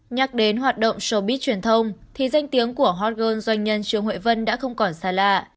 nhắc đến hoạt động sobit truyền thông thì danh tiếng của hot girl doanh nhân trương huệ vân đã không còn xa lạ